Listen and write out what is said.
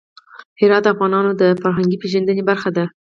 هرات د افغانانو د فرهنګي پیژندنې برخه ده.